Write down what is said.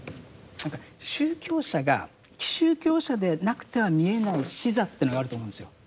何か宗教者が宗教者でなくては見えない視座というのがあると思うんですよ。